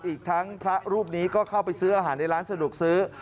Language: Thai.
อีกทั้งพระรูปนี้ก็เข้าไปซื้ออาหารในร้านสะดวกซื้อ